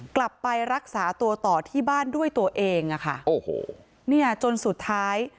กลับไปรักษาตัวต่อที่บ้านด้วยตัวเองจนสุดท้าย